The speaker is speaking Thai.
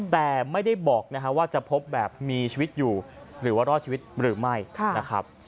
แต่ไม่ได้บอกนะครับว่าจะพบแบบมีชีวิตอยู่หรือว่ารอดชีวิตหรือไม่นะครับ